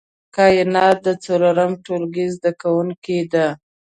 کاينات د څلورم ټولګي زده کوونکې ده